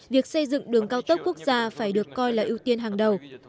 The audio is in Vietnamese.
việc xây dựng đường cao tốc quốc gia phải được coi là ưu tiên hàng đầu